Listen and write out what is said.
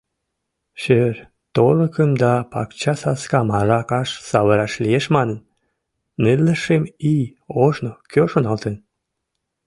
Шӧр-торыкым да пакчасаскам аракаш савыраш лиеш манын, нылле шым ий ожно кӧ шоналтен?